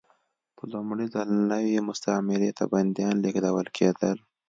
په لومړي ځل نوې مستعمرې ته بندیان لېږدول کېدل.